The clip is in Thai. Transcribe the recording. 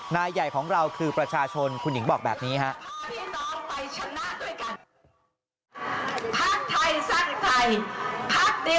นายใหญ่ของเราคือประชาชนคุณหญิงบอกแบบนี้ครับ